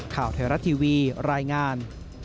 ข่าวแทรศ์ทีวีรายงาน